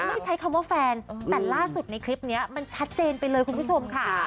ไม่ใช้คำว่าแฟนแต่ล่าสุดในคลิปนี้มันชัดเจนไปเลยคุณผู้ชมค่ะ